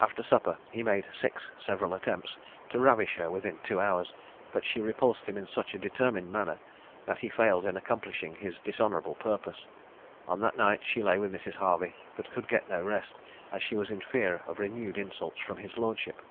After supper he made six several attempts to ravish her within two hours; but she repulsed him in such a determined manner, that he failed in accomplishing his dishonourable purpose. On that night she lay with Mrs. Harvey, but could get no rest, as she was in fear of renewed insults from his lordship.